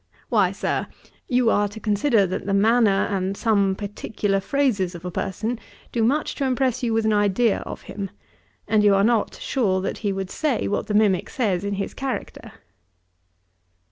'Why, Sir, you are to consider that the manner and some particular phrases of a person do much to impress you with an idea of him, and you are not sure that he would say what the mimick says in his character.'